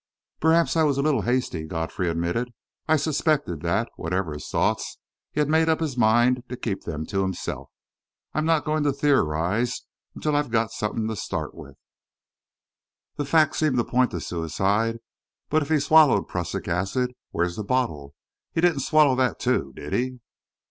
"Perhaps I was a little hasty," Godfrey admitted, and I suspected that, whatever his thoughts, he had made up his mind to keep them to himself. "I'm not going to theorise until I've got something to start with. The facts seem to point to suicide; but if he swallowed prussic acid, where's the bottle? He didn't swallow that too, did he?"